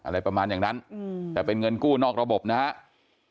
อะไรประมาณอย่างนั้นแต่เป็นเงินกู้นอกระบบนะครับ